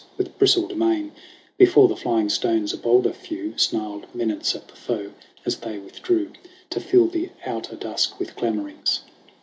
With bristled mane Before the flying stones a bolder few Snarled menace at the foe as they withdrew To fill the outer dusk with clamorings.